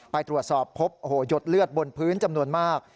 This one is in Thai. ไปตรวจสอบพบหยดเลือดบนพื้นจำนวนมาก